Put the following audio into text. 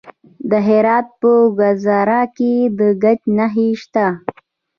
د هرات په ګذره کې د ګچ نښې شته.